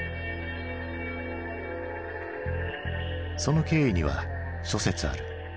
その経緯には諸説ある。